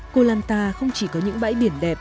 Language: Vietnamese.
koh lanta không chỉ có những bãi biển đẹp